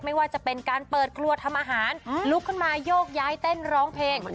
ไม่ว่าจะเป็นการเปิดครัวทำอาหารลุกขึ้นมาโยกย้ายเต้นร้องเพลง